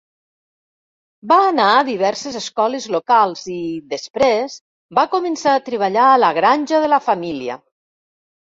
Va anar a diverses escoles locals i, després, va començar a treballar a la granja de la família.